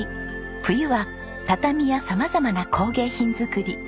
冬は畳や様々な工芸品作り。